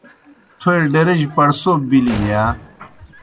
تھوئے ڈیرِجیْ پڑسوب بِلِن یا؟